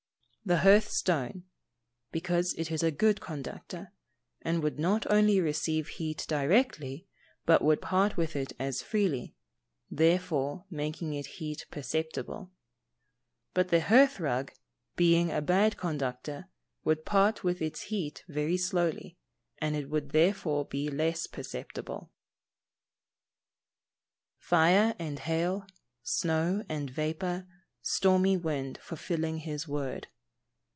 _ The hearth stone, because it is a good conductor, and would not only receive heat readily, but would part with it as freely (thereby making its heat perceptible). But the hearth rug, being a bad conductor, would part with its heat very slowly, and it would therefore be less perceptible. [Verse: "Fire and hail; snow and vapour; stormy wind fulfilling his word."